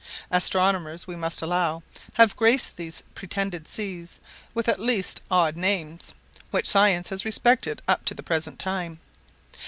Astronomers, we must allow, have graced these pretended seas with at least odd names, which science has respected up to the present time.